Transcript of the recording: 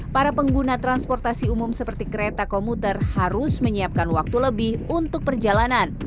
para pengguna transportasi umum seperti kereta komuter harus menyiapkan waktu lebih untuk perjalanan